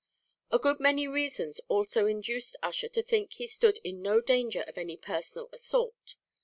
A good many reasons also induced Ussher to think that he stood in no danger of any personal assault.